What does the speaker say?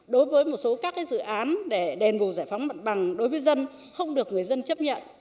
đối với một số các dự án để đền bù giải phóng mặt bằng đối với dân không được người dân chấp nhận